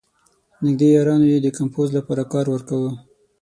نېږدې یارانو یې د کمپوز لپاره کار ورکاوه.